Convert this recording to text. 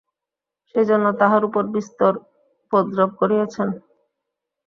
সেইজন্য তাঁহার উপর বিস্তর উপদ্রব করিয়াছেন।